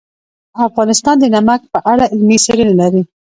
افغانستان د نمک په اړه علمي څېړنې لري.